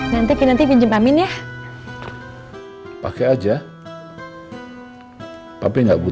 sampai jumpa di sini